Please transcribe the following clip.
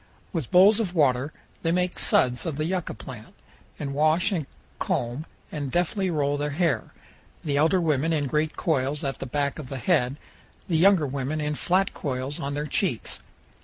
With bowls of water they make suds of the yucca plant, and wash and comb and deftly roll their hair, the elder women in great coils at the back of the head, the younger women in flat coils on their cheeks.